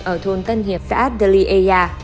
ở thôn tân hiệp xã adliyea